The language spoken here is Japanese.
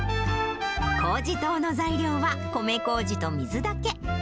工事糖の材料は米こうじと水だけ。